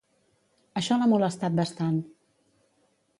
Això l'ha molestat bastant.